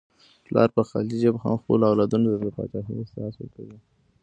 پلار په خالي جیب هم خپلو اولادونو ته د پاچاهۍ احساس ورکوي.